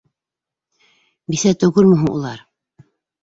Бисә түгелме һуң улар?